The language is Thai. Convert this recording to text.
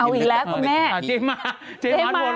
เอาอีกแล้วคุณแม่